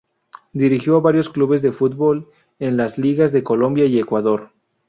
Dirigió a varios clubes de fútbol en las ligas de Colombia y Ecuador.